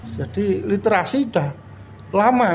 jadi literasi sudah lama